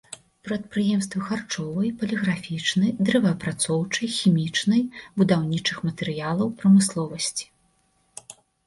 Прадпрыемствы харчовай, паліграфічнай, дрэваапрацоўчай, хімічнай, будаўнічых матэрыялаў прамысловасці.